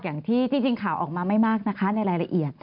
อย่างที่จริงข่าวออกมาไม่มากนะคะในรายละเอียด